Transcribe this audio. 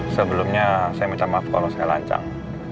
sebelumnya saya minta maaf kalau saya lancang